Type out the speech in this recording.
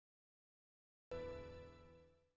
hẹn gặp lại quý vị và các bạn trong các chương trình lần sau